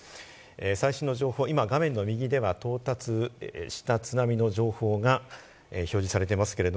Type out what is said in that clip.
最新の情報、今、画面の右では到達した津波の情報が表示されています。